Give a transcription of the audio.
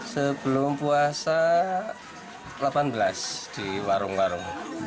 sebelum puasa delapan belas di warung warung